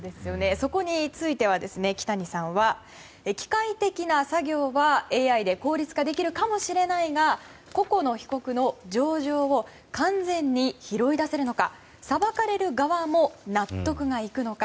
そこについては木谷さんは機械的な作業はＡＩで効率化できるかもしれないが個々の被告の情状を完全に拾い出せるのか裁かれる側も納得がいくのか。